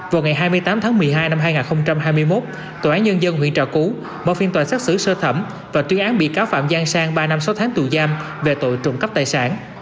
vào ngày hai mươi tám tháng một mươi hai năm hai nghìn hai mươi một tòa án nhân dân huyện trà cú mở phiên tòa xét xử sơ thẩm và tuyên án bị cáo phạm giang sang ba năm sáu tháng tù giam về tội trộm cắp tài sản